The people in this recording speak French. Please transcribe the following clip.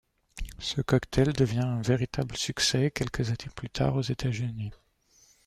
Ce cocktail devient un véritable succès quelques années plus tard aux États-Unis.